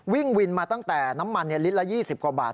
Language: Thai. วิ่งวินมาตั้งแต่น้ำมันลิตรละ๒๐กว่าบาท